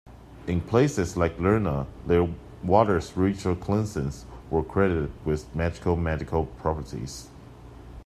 In places like Lerna their waters' ritual cleansings were credited with magical medical properties.